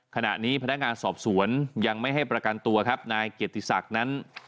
ขณะนี้พนักงานสอบสวนยังไม่ให้ประกันตัวครับนายเกียรติศักดิ์นั้น